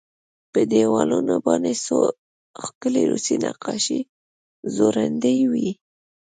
په دېوالونو باندې څو ښکلې روسي نقاشۍ ځوړندې وې